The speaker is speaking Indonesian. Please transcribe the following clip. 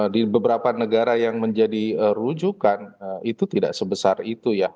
di beberapa negara yang menjadi rujukan itu tidak sebesar itu ya